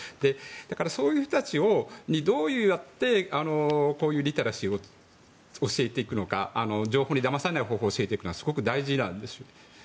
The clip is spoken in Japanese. そういう人たちにどうやってリテラシーを教えていくのか情報にだまされない方法を教えていくのかすごく大事なんですよ。